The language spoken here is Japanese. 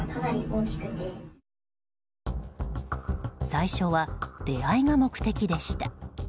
最初は出会いが目的でした。